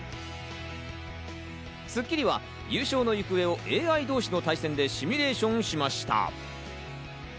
『スッキリ』は優勝の行方をＡＩ同士の対戦でシミュレーションしました。